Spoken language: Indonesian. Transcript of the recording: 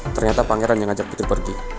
ternyata pangeran yang ngajak putri pergi